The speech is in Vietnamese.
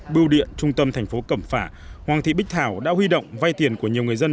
bưu điện trung tâm thành phố cẩm phả hoàng thị bích thảo đã huy động vay tiền của nhiều người dân